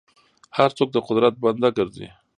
هر څوک د قدرت بنده ګرځي.